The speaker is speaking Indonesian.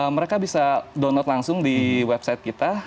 mereka bisa download langsung di website kita